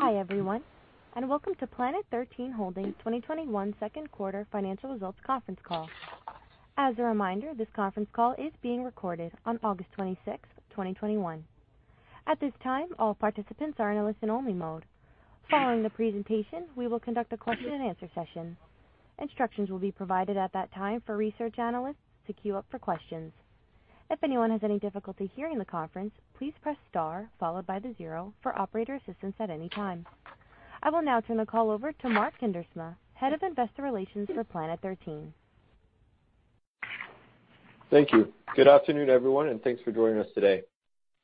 Hi everyone, and welcome to Planet 13 Holdings' 2021 second quarter financial results conference call. As a reminder, this conference call is being recorded on August 26th, 2021. At this time, all participants are in a listen-only mode. Following the presentation, we will conduct a question and answer session. Instructions will be provided at that time for research analysts to queue up for questions. If anyone has any difficulty hearing the conference, please press star followed by the zero for operator assistance at any time. I will now turn the call over to Mark Kuindersma, Head of Investor Relations for Planet 13. Thank you. Good afternoon, everyone, and thanks for joining us today.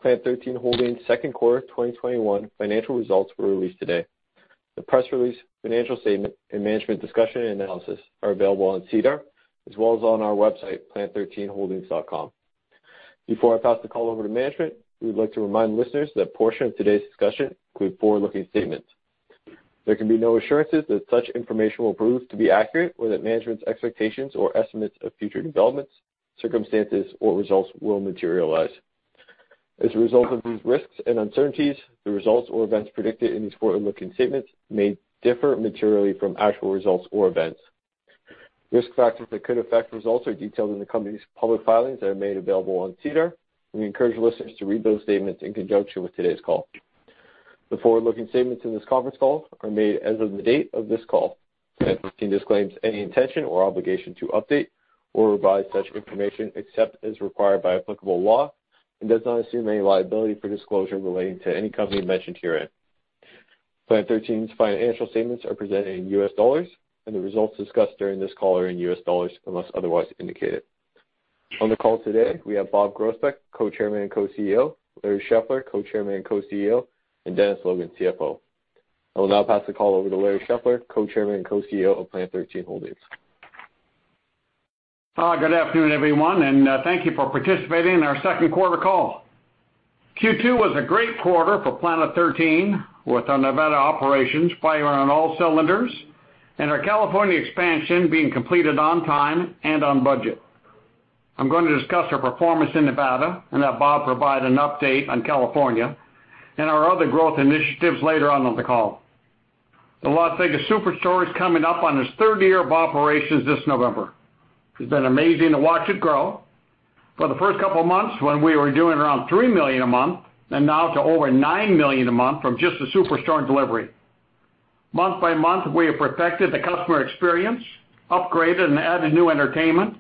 Planet 13 Holdings' second quarter 2021 financial results were released today. The press release, financial statement, and management discussion and analysis are available on SEDAR, as well as on our website, planet13holdings.com. Before I pass the call over to management, we would like to remind listeners that a portion of today's discussion could include forward-looking statements. There can be no assurances that such information will prove to be accurate, or that management's expectations or estimates of future developments, circumstances, or results will materialize. As a result of these risks and uncertainties, the results or events predicted in these forward-looking statements may differ materially from actual results or events. Risk factors that could affect results are detailed in the company's public filings that are made available on SEDAR, and we encourage listeners to read those statements in conjunction with today's call. The forward-looking statements in this conference call are made as of the date of this call. Management disclaims any intention or obligation to update or revise such information except as required by applicable law and does not assume any liability for disclosure relating to any company mentioned herein. Planet 13's financial statements are presented in U.S. dollars, and the results discussed during this call are in U.S. dollars unless otherwise indicated. On the call today, we have Bob Groesbeck, Co-Chairman and Co-CEO, Larry Scheffler, Co-Chairman and Co-CEO, and Dennis Logan, CFO. I will now pass the call over to Larry Scheffler, Co-Chairman and Co-CEO of Planet 13 Holdings. Hi. Good afternoon, everyone. Thank you for participating in our second quarter call. Q2 was a great quarter for Planet 13, with our Nevada operations firing on all cylinders and our California expansion being completed on time and on budget. I'm going to discuss our performance in Nevada and have Bob provide an update on California and our other growth initiatives later on on the call. The Las Vegas Superstore is coming up on its third year of operations this November. It's been amazing to watch it grow. For the first couple of months, when we were doing around $3 million a month, and now to over $9 million a month from just the Superstore and delivery. Month-by-month, we have perfected the customer experience, upgraded and added new entertainment,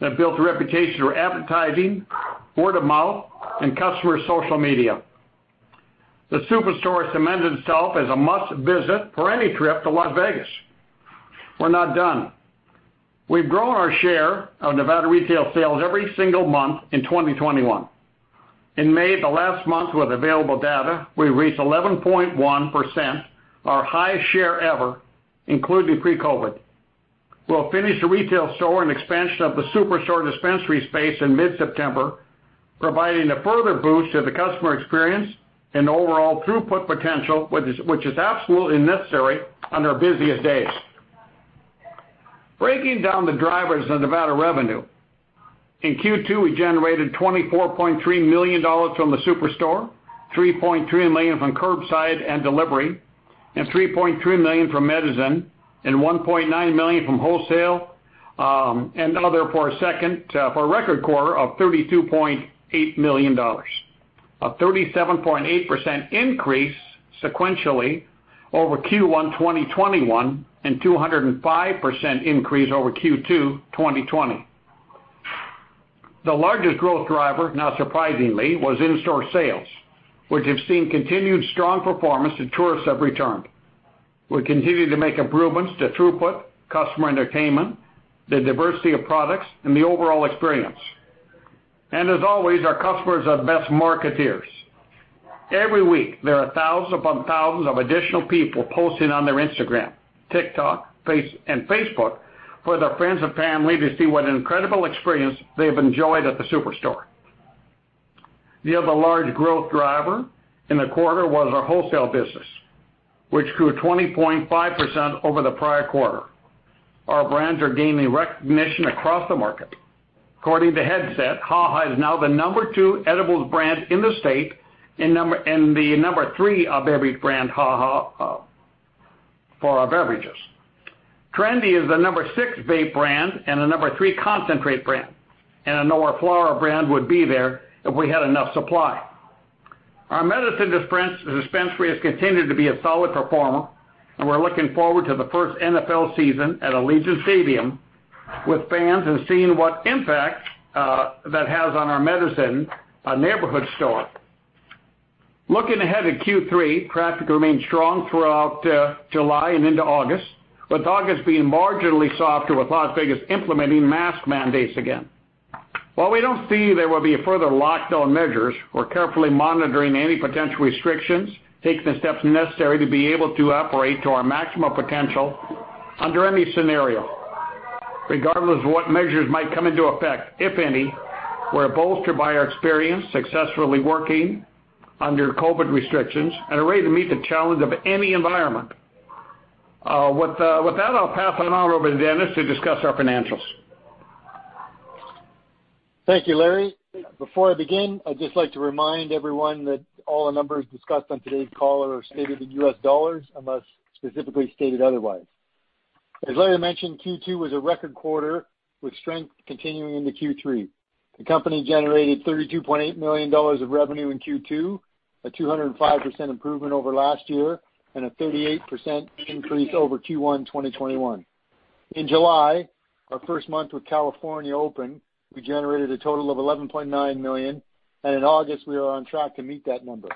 and built a reputation through advertising, word of mouth, and customer social media. The Superstore has cemented itself as a must-visit for any trip to Las Vegas. We're not done. We've grown our share of Nevada retail sales every single month in 2021. In May, the last month with available data, we reached 11.1%, our highest share ever, including pre-COVID. We'll finish the retail store and expansion of the Superstore dispensary space in mid-September, providing a further boost to the customer experience and overall throughput potential, which is absolutely necessary on our busiest days. Breaking down the drivers of Nevada revenue, in Q2, we generated $24.3 million from the Superstore, $3.3 million from curbside and delivery, $3.3 million from MEDIZIN, and $1.9 million from wholesale for a record quarter of $32.8 million. A 37.8% increase sequentially over Q1 2021, and 205% increase over Q2 2020. The largest growth driver, not surprisingly, was in-store sales, which have seen continued strong performance as tourists have returned. We continue to make improvements to throughput, customer entertainment, the diversity of products, and the overall experience. As always, our customers are the best marketeers. Every week, there are thousands upon thousands of additional people posting on their Instagram, TikTok, and Facebook for their friends and family to see what an incredible experience they've enjoyed at the Superstore. The other large growth driver in the quarter was our wholesale business, which grew 20.5% over the prior quarter. Our brands are gaining recognition across the market. According to Headset, HaHa is now the number two edibles brand in the state and the number three beverage brand for our beverages. TRENDI is the number six vape brand and the number three concentrate brand. I know our flower brand would be there if we had enough supply. Our MEDIZIN dispensary has continued to be a solid performer, and we're looking forward to the first NFL season at Allegiant Stadium with fans and seeing what impact that has on our MEDIZIN neighborhood store. Looking ahead at Q3, traffic remained strong throughout July and into August, with August being marginally softer, with Las Vegas implementing mask mandates again. While we don't see there will be further lockdown measures, we're carefully monitoring any potential restrictions, taking the steps necessary to be able to operate to our maximum potential under any scenario. Regardless of what measures might come into effect, if any, we're bolstered by our experience successfully working under COVID restrictions and are ready to meet the challenge of any environment. With that, I'll pass it on over to Dennis to discuss our financials. Thank you, Larry. Before I begin, I'd just like to remind everyone that all the numbers discussed on today's call are stated in U.S. dollars, unless specifically stated otherwise. As Larry mentioned, Q2 was a record quarter, with strength continuing into Q3. The company generated $32.8 million of revenue in Q2, a 205% improvement over last year, and a 38% increase over Q1 2021. In July, our first month with California open, we generated a total of $11.9 million, and in August we are on track to meet that number.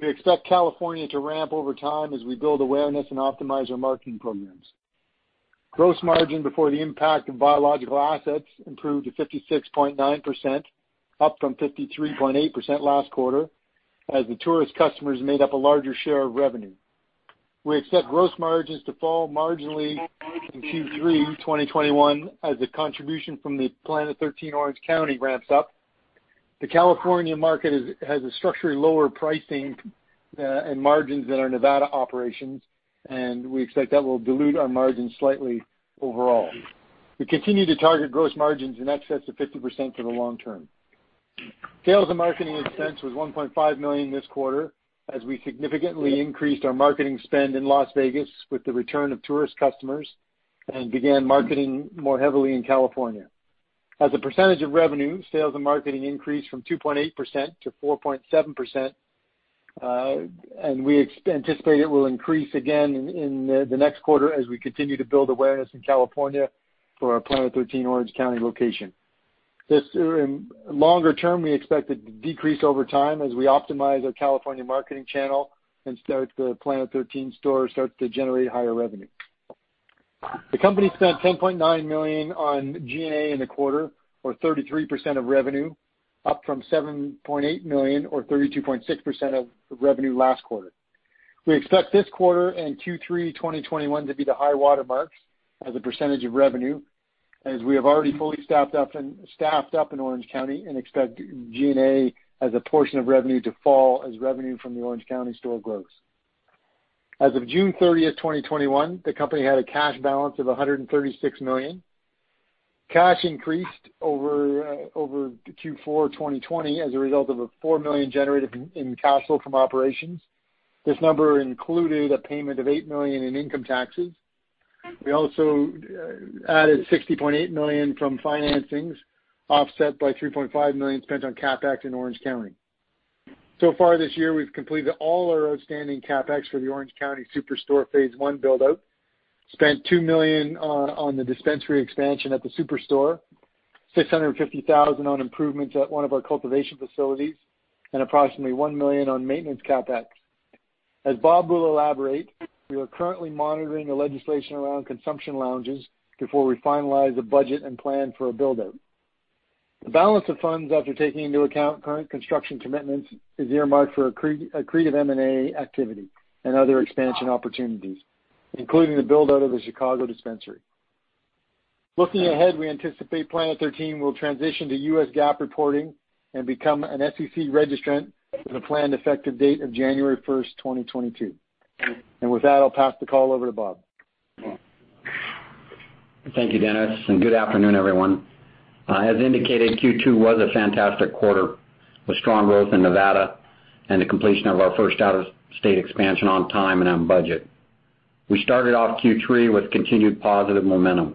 We expect California to ramp over time as we build awareness and optimize our marketing programs. Gross margin before the impact of biological assets improved to 56.9%, up from 53.8% last quarter, as the tourist customers made up a larger share of revenue. We expect gross margins to fall marginally in Q3 2021 as the contribution from the Planet 13 Orange County ramps up. The California market has a structurally lower pricing, and margins than our Nevada operations, and we expect that will dilute our margins slightly overall. We continue to target gross margins in excess of 50% for the long term. Sales and marketing expense was $1.5 million this quarter, as we significantly increased our marketing spend in Las Vegas with the return of tourist customers and began marketing more heavily in California. As a percentage of revenue, sales and marketing increased from 2.8% to 4.7%, and we anticipate it will increase again in the next quarter as we continue to build awareness in California for our Planet 13 Orange County location. This, longer term, we expect it to decrease over time as we optimize our California marketing channel and the Planet 13 stores start to generate higher revenue. The company spent $10.9 million on G&A in the quarter, or 33% of revenue, up from $7.8 million, or 32.6% of revenue last quarter. We expect this quarter and Q3 2021 to be the high water marks as a percentage of revenue, as we have already fully staffed up in Orange County and expect G&A as a portion of revenue to fall as revenue from the Orange County store grows. As of June 30th, 2021, the company had a cash balance of $136 million. Cash increased over Q4 2020 as a result of $4 million generated in cash flow from operations. This number included a payment of $8 million in income taxes. We also added $60.8 million from financings, offset by $3.5 million spent on CapEx in Orange County. So far this year, we've completed all our outstanding CapEx for the Orange County Superstore phase one build-out, spent $2 million on the dispensary expansion at the Superstore, $650,000 on improvements at one of our cultivation facilities, and approximately $1 million on maintenance CapEx. As Bob will elaborate, we are currently monitoring the legislation around consumption lounges before we finalize a budget and plan for a build-out. The balance of funds after taking into account current construction commitments is earmarked for accretive M&A activity and other expansion opportunities, including the build-out of the Chicago dispensary. Looking ahead, we anticipate Planet 13 will transition to U.S. GAAP reporting and become an SEC registrant with a planned effective date of January 1st, 2022. With that, I'll pass the call over to Bob. Thank you, Dennis, and good afternoon, everyone. As indicated, Q2 was a fantastic quarter, with strong growth in Nevada and the completion of our first out-of-state expansion on time and on budget. We started off Q3 with continued positive momentum.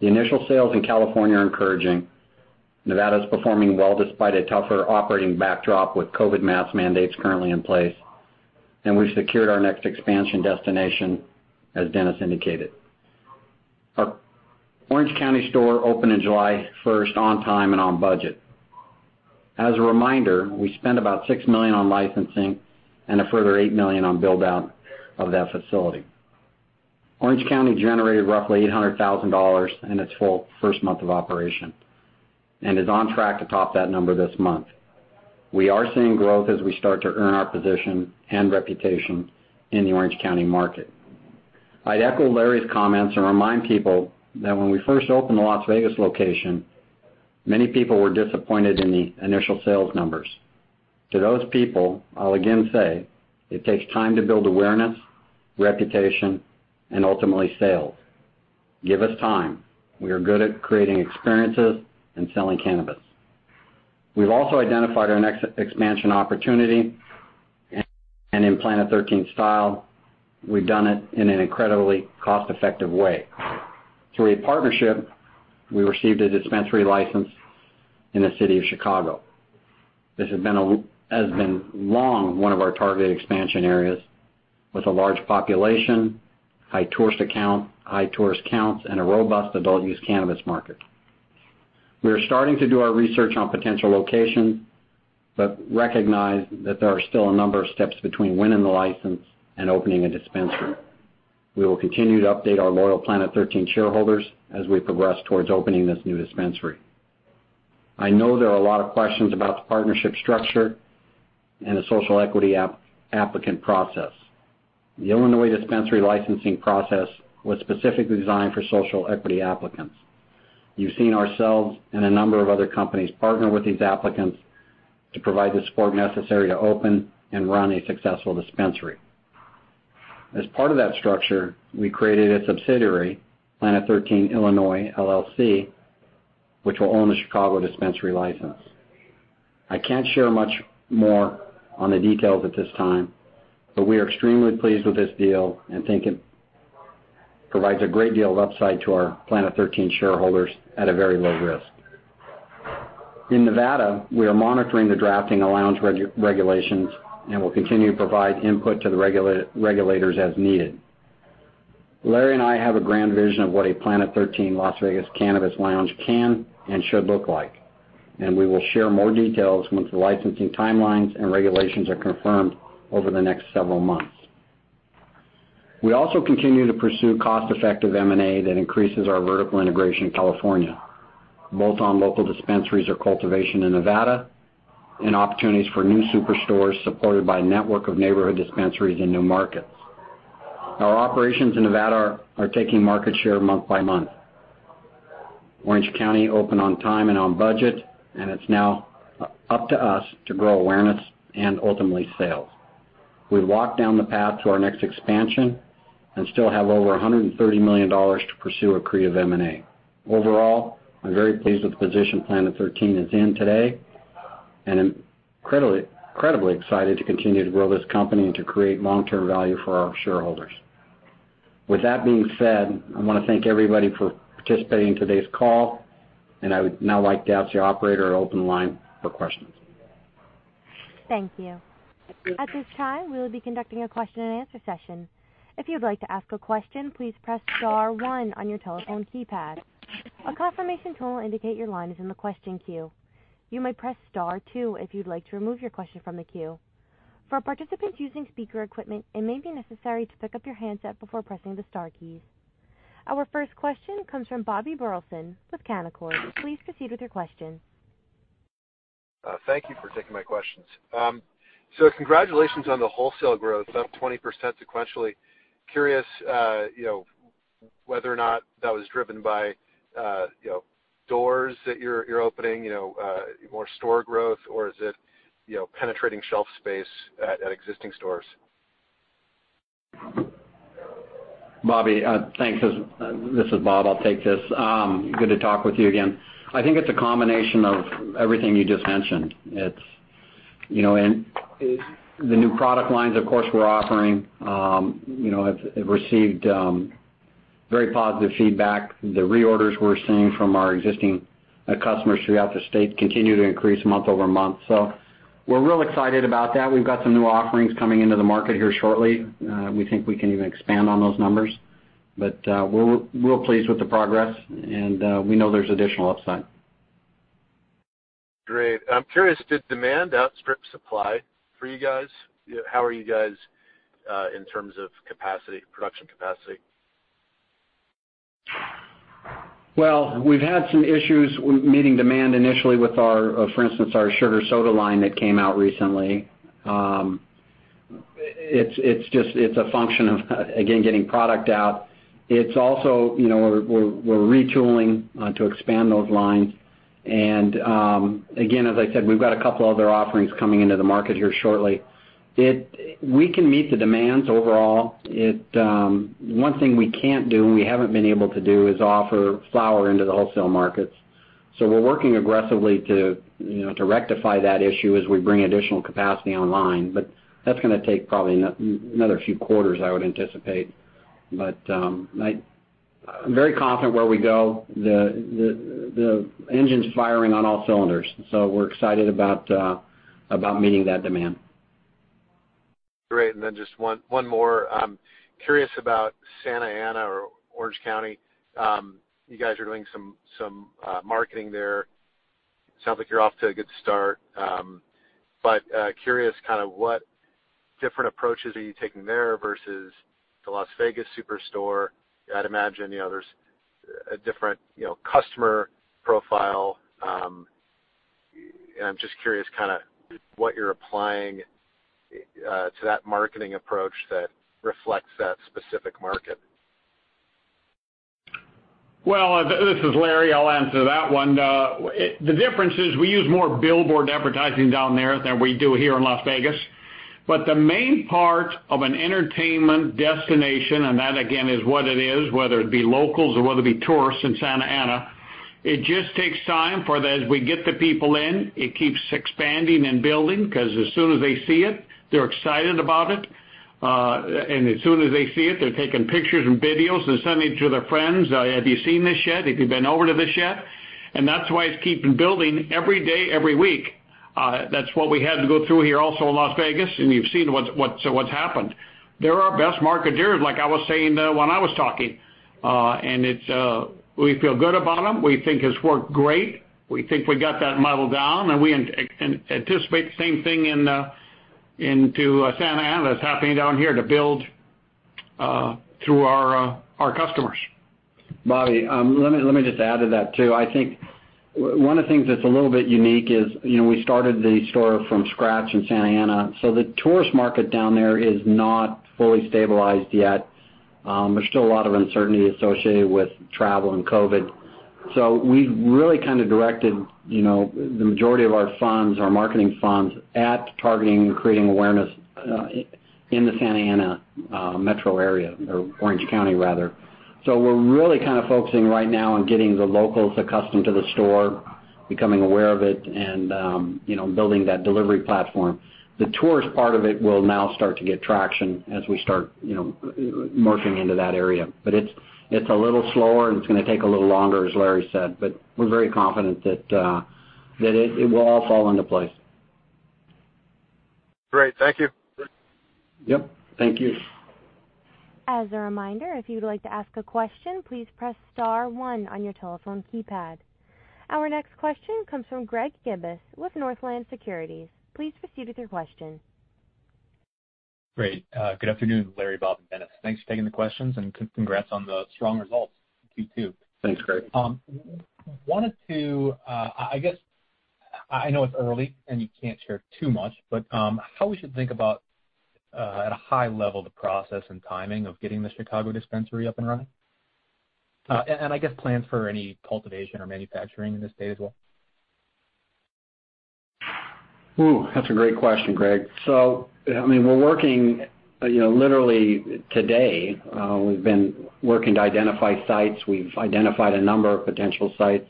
The initial sales in California are encouraging. Nevada is performing well despite a tougher operating backdrop with COVID mask mandates currently in place. We've secured our next expansion destination, as Dennis indicated. Our Orange County store opened in July 1st, on time and on budget. As a reminder, we spent about $6 million on licensing and a further $8 million on build-out of that facility. Orange County generated roughly $800,000 in its full first month of operation and is on track to top that number this month. We are seeing growth as we start to earn our position and reputation in the Orange County market. I'd echo Larry's comments and remind people that when we first opened the Las Vegas location, many people were disappointed in the initial sales numbers. To those people, I'll again say it takes time to build awareness, reputation, and ultimately sales. Give us time. We are good at creating experiences and selling cannabis. In Planet 13 style, we've also identified our next expansion opportunity, and we've done it in an incredibly cost-effective way. Through a partnership, we received a dispensary license in the city of Chicago. This has been long one of our targeted expansion areas, with a large population, high tourist counts, and a robust adult use cannabis market. We are starting to do our research on potential locations, recognize that there are still a number of steps between winning the license and opening a dispensary. We will continue to update our loyal Planet 13 shareholders as we progress towards opening this new dispensary. I know there are a lot of questions about the partnership structure and the social equity applicant process. The Illinois dispensary licensing process was specifically designed for social equity applicants. You've seen ourselves and a number of other companies partner with these applicants to provide the support necessary to open and run a successful dispensary. As part of that structure, we created a subsidiary, Planet 13 Illinois, LLC, which will own the Chicago dispensary license. I can't share much more on the details at this time, but we are extremely pleased with this deal and think it provides a great deal of upside to our Planet 13 shareholders at a very low risk. In Nevada, we are monitoring the drafting of lounge regulations and will continue to provide input to the regulators as needed. Larry and I have a grand vision of what a Planet 13 Las Vegas cannabis lounge can and should look like, and we will share more details once the licensing timelines and regulations are confirmed over the next several months. We also continue to pursue cost-effective M&A that increases our vertical integration in California, both on local dispensaries or cultivation in Nevada, and opportunities for new Superstores supported by a network of neighborhood dispensaries in new markets. Our operations in Nevada are taking market share month by month. Orange County opened on time and on budget, and it's now up to us to grow awareness and ultimately sales. We've walked down the path to our next expansion and still have over $130 million to pursue accretive M&A. Overall, I'm very pleased with the position Planet 13 is in today, and I'm incredibly excited to continue to grow this company and to create long-term value for our shareholders. With that being said, I want to thank everybody for participating in today's call, and I would now like to ask the operator to open the line for questions. Thank you. At this time, we will be conducting a question and answer session. If you'd like to ask a question, please press star one on your telephone keypad. A confirmation tone will indicate your line is in the question queue. You may press star two if you'd like to remove your question from the queue. For participants using speaker equipment, it may be necessary to pick up your handset before pressing the star keys. Our first question comes from Bobby Burleson with Canaccord. Please proceed with your question. Thank you for taking my questions. Congratulations on the wholesale growth, up 20% sequentially. Curious whether or not that was driven by doors that you're opening, more store growth, or is it penetrating shelf space at existing stores? Bobby, thanks. This is Bob. I'll take this. Good to talk with you again. I think it's a combination of everything you just mentioned. The new product lines, of course, we're offering, have received very positive feedback. The reorders we're seeing from our existing customers throughout the state continue to increase month-over-month. We're real excited about that. We've got some new offerings coming into the market here shortly. We think we can even expand on those numbers, we're real pleased with the progress and we know there's additional upside. Great. I'm curious, did demand outstrip supply for you guys? How are you guys in terms of production capacity? Well, we've had some issues meeting demand initially with, for instance, our sugar soda line that came out recently. It's a function of, again, getting product out. It's also, we're retooling to expand those lines, and, again, as I said, we've got a couple other offerings coming into the market here shortly. We can meet the demands overall. 1 thing we can't do, and we haven't been able to do, is offer flower into the wholesale markets. We're working aggressively to rectify that issue as we bring additional capacity online. That's going to take probably another few quarters, I would anticipate. I'm very confident where we go. The engine's firing on all cylinders, so we're excited about meeting that demand. Great. Then just one more. I'm curious about Santa Ana or Orange County. You guys are doing some marketing there. Sounds like you're off to a good start. Curious what different approaches are you taking there versus the Las Vegas Superstore? I'd imagine there's a different customer profile. I'm just curious what you're applying to that marketing approach that reflects that specific market. Well, this is Larry. I'll answer that one. The difference is we use more billboard advertising down there than we do here in Las Vegas. The main part of an entertainment destination, and that again, is what it is, whether it be locals or whether it be tourists in Santa Ana, it just takes time for that as we get the people in, it keeps expanding and building because as soon as they see it, they're excited about it. As soon as they see it, they're taking pictures and videos. They're sending it to their friends. "Have you seen this yet? Have you been over to this yet?" That's why it's keeping building every day, every week. That's what we had to go through here also in Las Vegas, and you've seen what's happened. They're our best marketers, like I was saying when I was talking. We feel good about them. We think it's worked great. We think we got that model down and we anticipate the same thing into Santa Ana that's happening down here to build through our customers. Bobby, let me just add to that, too. I think one of the things that's a little bit unique is we started the store from scratch in Santa Ana, so the tourist market down there is not fully stabilized yet. There's still a lot of uncertainty associated with travel and COVID. We've really kind of directed the majority of our marketing funds at targeting and creating awareness in the Santa Ana Metro area, or Orange County, rather. We're really kind of focusing right now on getting the locals accustomed to the store, becoming aware of it, and building that delivery platform. The tourist part of it will now start to get traction as we start merging into that area. It's a little slower, and it's going to take a little longer, as Larry said, but we're very confident that it will all fall into place. Great. Thank you. Yep. Thank you. As a reminder, if you would like to ask a question, please press star one on your telephone keypad. Our next question comes from Greg Gibas with Northland Securities. Please proceed with your question. Great. Good afternoon, Larry, Bob, and Dennis. Thanks for taking the questions and congrats on the strong results in Q2. Thanks, Greg. I wanted to, I guess I know it's early and you can't share too much, but how we should think about, at a high level, the process and timing of getting the Chicago dispensary up and running. I guess plans for any cultivation or manufacturing in the state as well? That's a great question, Greg. We're working, literally today, we've been working to identify sites. We've identified a number of potential sites.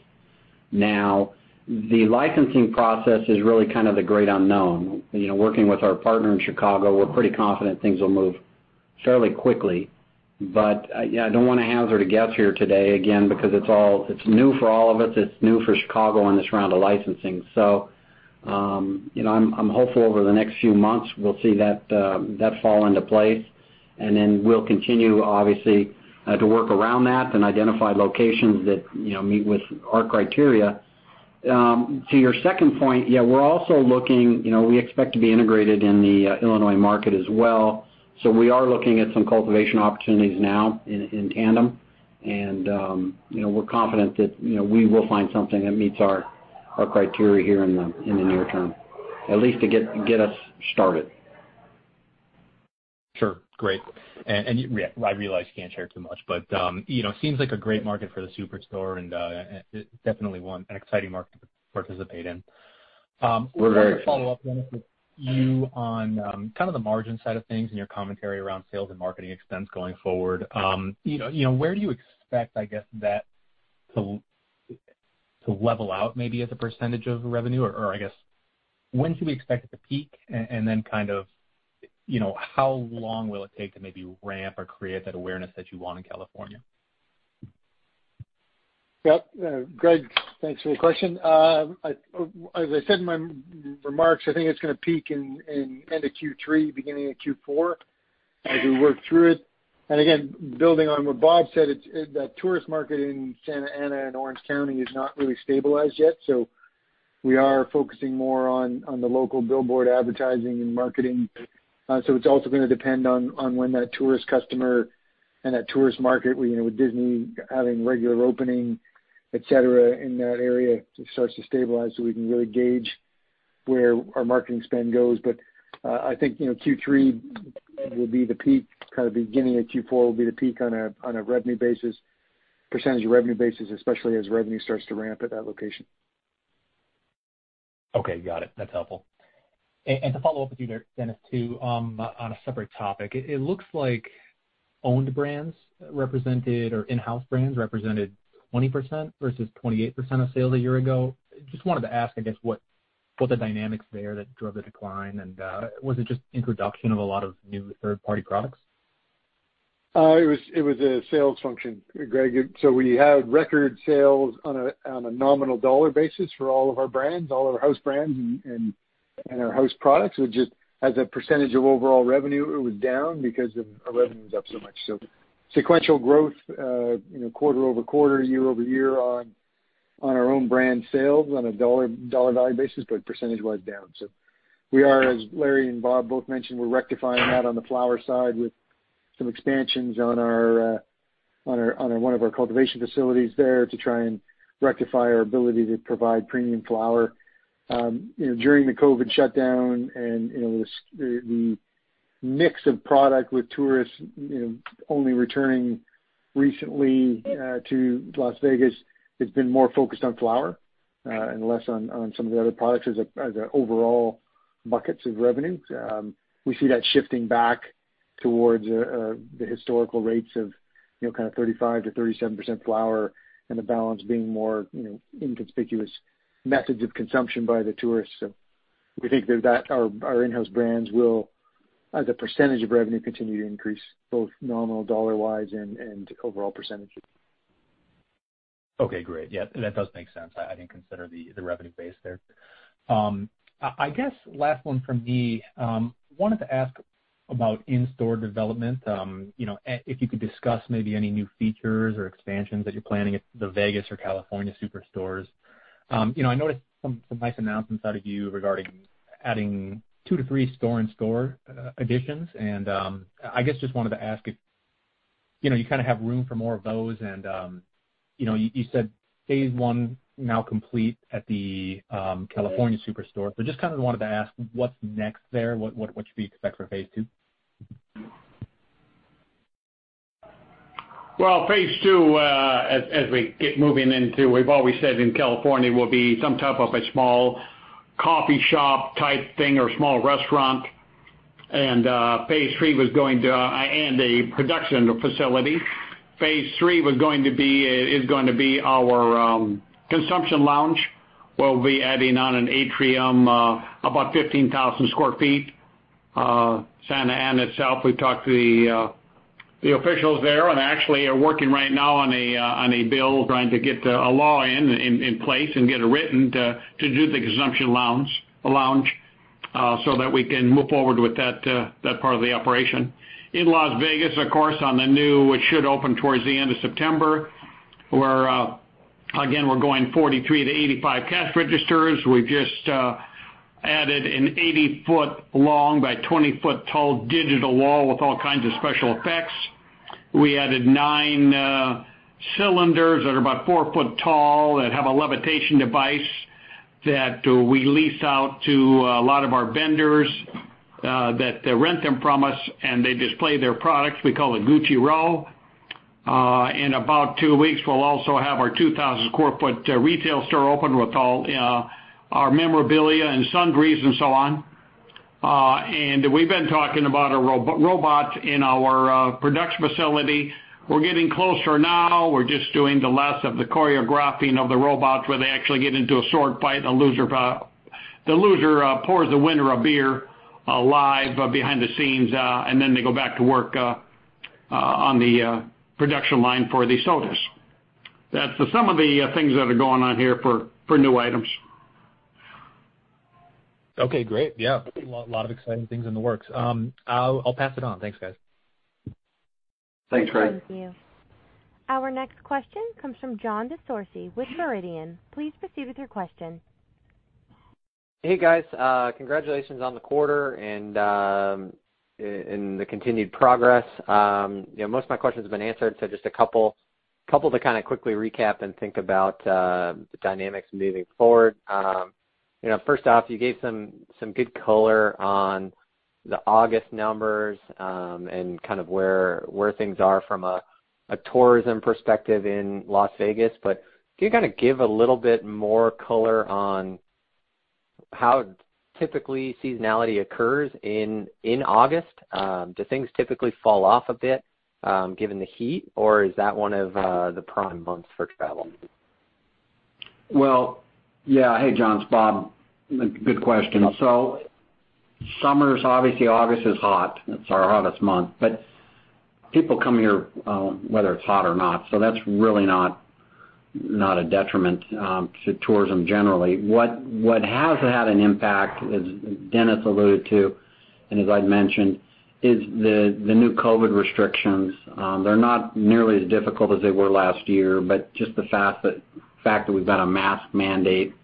The licensing process is really kind of the great unknown. Working with our partner in Chicago, we're pretty confident things will move fairly quickly. I don't want to hazard a guess here today, again, because it's new for all of us. It's new for Chicago in this round of licensing. I'm hopeful over the next few months, we'll see that fall into place, and then we'll continue, obviously, to work around that and identify locations that meet with our criteria. To your second point, yeah, we're also looking, we expect to be integrated in the Illinois market as well. We are looking at some cultivation opportunities now in tandem. We're confident that we will find something that meets our criteria here in the near term, at least to get us started. Sure. Great. I realize you can't share too much, but it seems like a great market for the Superstore, and definitely an exciting market to participate in. We're very excited. A follow-up, Dennis, with you on kind of the margin side of things and your commentary around sales and marketing expense going forward. Where do you expect that to level out, maybe as a percentage of revenue, or when should we expect it to peak? Kind of how long will it take to maybe ramp or create that awareness that you want in California? Yep. Greg, thanks for the question. As I said in my remarks, I think it's going to peak in end of Q3, beginning of Q4 as we work through it. Again, building on what Bob said, that tourist market in Santa Ana and Orange County is not really stabilized yet. We are focusing more on the local billboard advertising and marketing. It's also going to depend on when that tourist customer and that tourist market, with Disney having regular opening, et cetera, in that area starts to stabilize so we can really gauge where our marketing spend goes. I think Q3 will be the peak, kind of beginning of Q4 will be the peak on a revenue basis, percentage of revenue basis, especially as revenue starts to ramp at that location. Okay. Got it. That's helpful. To follow up with you there, Dennis, too, on a separate topic. It looks like owned brands represented, or in-house brands represented 20% versus 28% of sales a year ago. Just wanted to ask, I guess, what the dynamics there that drove the decline, and was it just introduction of a lot of new third-party products? It was a sales function, Greg. We had record sales on a nominal dollar basis for all of our brands, all of our house brands and our house products. As a percentage of overall revenue, it was down because our revenue was up so much. Sequential growth quarter-over-quarter, year-over-year on our own brand sales on a dollar value basis, but percentage-wise down. We are, as Larry and Bob both mentioned, we're rectifying that on the flower side with some expansions on one of our cultivation facilities there to try and rectify our ability to provide premium flower. During the COVID shutdown and the mix of product with tourists only returning recently to Las Vegas, it's been more focused on flower and less on some of the other products as an overall buckets of revenue. We see that shifting back towards the historical rates of 35%-37% flower and the balance being more inconspicuous methods of consumption by the tourists. We think that our in-house brands will, as a percentage of revenue, continue to increase both nominal dollar-wise and overall percentage. Okay, great. Yeah, that does make sense. I didn't consider the revenue base there. I guess last one from me. Wanted to ask about in-store development. If you could discuss maybe any new features or expansions that you're planning at the Las Vegas or California Superstores. I noticed some nice announcements out of you regarding adding two to three store-in-store additions. I guess just wanted to ask if you kind of have room for more of those. You said phase one now complete at the California Superstore. Just kind of wanted to ask what's next there? What should we expect for phase two? Well, phase two, as we get moving into, we've always said in California, will be some type of a small coffee shop type thing or small restaurant and a production facility. Phase three is going to be our consumption lounge. We'll be adding on an atrium, about 15,000 sq ft. Santa Ana itself, we've talked to the officials there. Actually are working right now on a bill trying to get a law in place and get it written to do the consumption lounge so that we can move forward with that part of the operation. In Las Vegas, of course, on the new, which should open towards the end of September, again, we're going 43 to 85 cash registers. We've just added an 80 ft long by 20 ft tall digital wall with all kinds of special effects. We added nine cylinders that are about four foot tall that have a levitation device that we lease out to a lot of our vendors that rent them from us, and they display their products. We call it Gucci Row. In about two weeks, we'll also have our 2,000 sq ft retail store open with all our memorabilia and sundries and so on. We've been talking about a robot in our production facility. We're getting closer now. We're just doing the last of the choreographing of the robots where they actually get into a sword fight and the loser pours the winner a beer, live behind the scenes, and then they go back to work on the production line for the sodas. That's some of the things that are going on here for new items. Okay, great. Yeah. A lot of exciting things in the works. I'll pass it on. Thanks, guys. Thanks, Greg. Thank you. Our next question comes from Jon DeCourcey with Viridian. Please proceed with your question. Hey, guys. Congratulations on the quarter and the continued progress. Most of my questions have been answered, just a couple to kind of quickly recap and think about the dynamics moving forward. First off, you gave some good color on the August numbers, and kind of where things are from a tourism perspective in Las Vegas. Can you kind of give a little bit more color on how typically seasonality occurs in August? Do things typically fall off a bit given the heat, or is that one of the prime months for travel? Yeah. Hey, Jon, it's Bob. Good question. Summers, obviously August is hot. It's our hottest month. People come here, whether it's hot or not. That's really not a detriment to tourism generally. What has had an impact, as Dennis alluded to, and as I'd mentioned, is the new COVID restrictions. They're not nearly as difficult as they were last year, but just the fact that we've got a mask mandate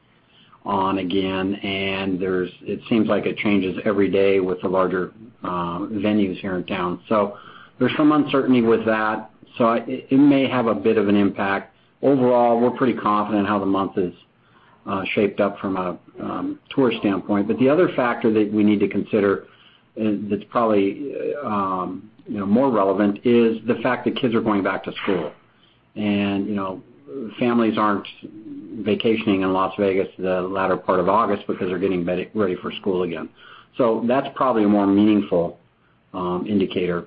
on again, and it seems like it changes every day with the larger venues here in town. There's some uncertainty with that. It may have a bit of an impact. Overall, we're pretty confident how the month has shaped up from a tour standpoint. The other factor that we need to consider, and that's probably more relevant, is the fact that kids are going back to school. Families aren't vacationing in Las Vegas the latter part of August because they're getting ready for school again. That's probably a more meaningful indicator.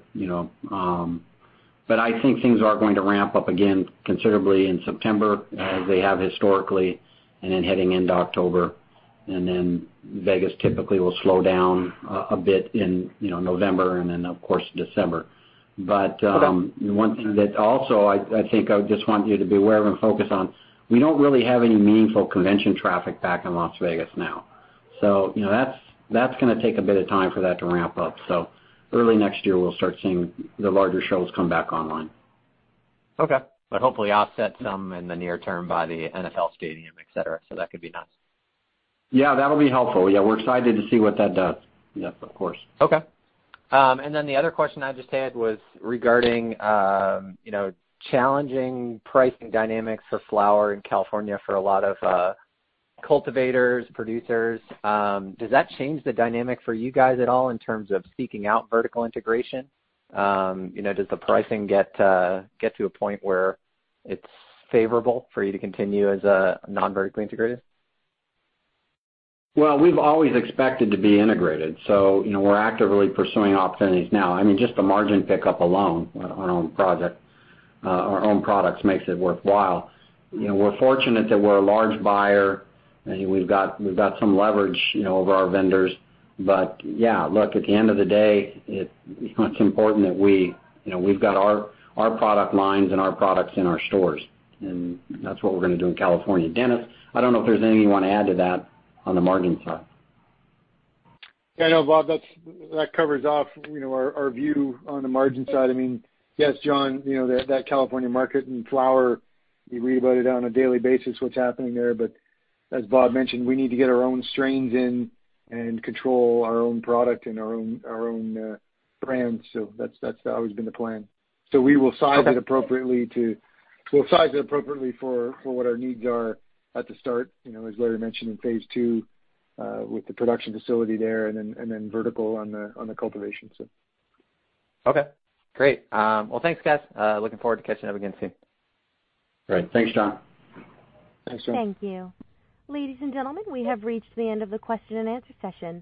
I think things are going to ramp up again considerably in September as they have historically, and then heading into October. Vegas typically will slow down a bit in November and then, of course, December. One thing that also I think I just want you to be aware of and focus on, we don't really have any meaningful convention traffic back in Las Vegas now. That's going to take a bit of time for that to ramp up. Early next year, we'll start seeing the larger shows come back online. Okay. Hopefully offset some in the near term by the NFL stadium, et cetera. That could be nice. Yeah, that'll be helpful. Yeah, we're excited to see what that does. Yeah, of course. Okay. The other question I just had was regarding challenging pricing dynamics for flower in California for a lot of cultivators, producers. Does that change the dynamic for you guys at all in terms of seeking out vertical integration? Does the pricing get to a point where it's favorable for you to continue as a non-vertically integrated? We've always expected to be integrated, so we're actively pursuing opportunities now. I mean, just the margin pickup alone on our own products makes it worthwhile. We're fortunate that we're a large buyer, and we've got some leverage over our vendors. Yeah, look, at the end of the day, it's important that we've got our product lines and our products in our stores, and that's what we're going to do in California. Dennis, I don't know if there's anything you want to add to that on the margin side. Yeah, no, Bob, that covers off our view on the margin side. Yes, Jon, that California market and flower, you read about it on a daily basis what's happening there. As Bob mentioned, we need to get our own strains in and control our own product and our own brands. That's always been the plan. We will size it appropriately for what our needs are at the start, as Larry mentioned in phase II, with the production facility there and then vertical on the cultivation. Okay, great. Well, thanks, guys. Looking forward to catching up again soon. Great. Thanks, Jon. Thanks, Jon. Thank you. Ladies and gentlemen, we have reached the end of the question and answer session.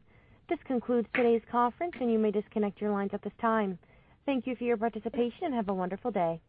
This concludes today's conference. You may disconnect your lines at this time. Thank you for your participation. Have a wonderful day.